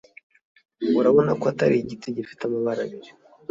urabona ko Atari igiti gifite amabara abiri